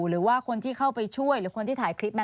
หรือว่าคนที่เข้าไปช่วยหรือคนที่ถ่ายคลิปไหม